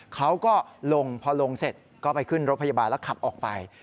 เขาก็ลงพอลงเสร็จก็ไปขึ้นรถพยาบาลแล้วขับออกไป